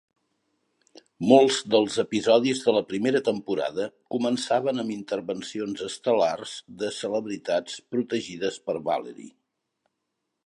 Molts dels episodis de la primera temporada començaven amb intervencions estel·lars de celebritats protegides per Vallery.